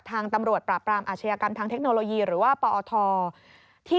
ทางตำรวจปราบปรามอาชญากรรมทางเทคโนโลยีหรือว่าปอท